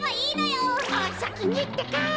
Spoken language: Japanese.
おさきにってか。